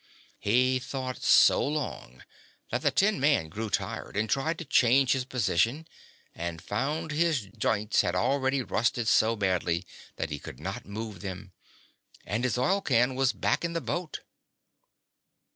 He thought so long that the tin man grew tired and tried to change his position, but found his joints had already rusted so badly that he could not move them. And his oil can was back in the boat.